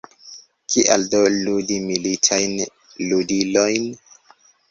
Kial do ludi militajn ludilojn?